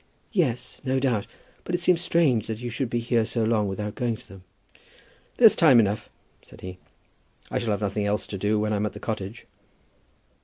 "Yes; no doubt. But it seems strange that you should be here so long without going to them." "There's time enough," said he. "I shall have nothing else to do when I'm at the cottage."